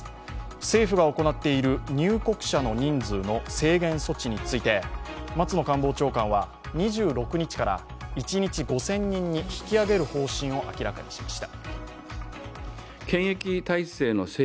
政府が行っている入国者の人数の制限措置について松野官房長官は２６日から一日５０００人に引き上げる方針を明らかにしました。